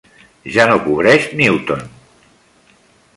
Ja no cobreix Newton.